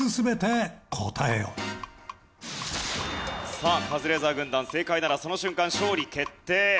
さあカズレーザー軍団正解ならその瞬間勝利決定。